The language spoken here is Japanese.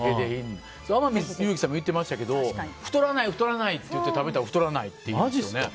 天海祐希さんも言ってましたが太らないって言って食べると太らないっていいますよね。